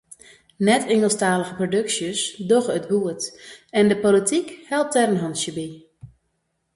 Net-Ingelsktalige produksjes dogge it goed en de polityk helpt dêr in hantsje by.